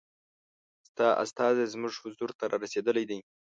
ستا استازی زموږ حضور ته را رسېدلی دی.